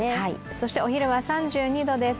そしてお昼は３２度です。